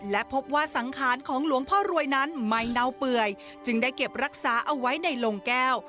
และพบว่าสังขารของหลวงพ่อรวยนั้นไม่เน่าเปื่อยจึงได้เก็บรักษาเอาไว้ในโรงแก้ว